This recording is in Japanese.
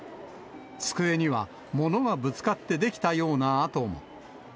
机には物がぶつかって出来たような跡も。